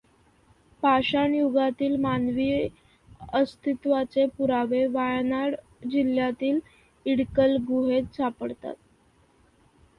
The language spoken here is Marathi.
पाषाणयुगातील मानवी अस्तित्वाचे पुरावे वायनाड जिल्ह्यातील इडक्कल गुहेत सापडतात.